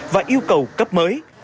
và yêu cầu cấp mới